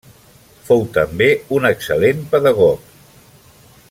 Fou també un excel·lent pedagog.